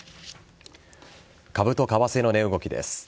株と為替の値動きです。